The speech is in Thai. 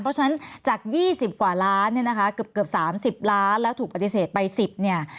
เพราะฉะนั้นจาก๒๐กว่าล้านเนี่ยนะคะเกือบ๓๐ล้านแล้วถูกปฏิเสธไป๑๐เนี่ย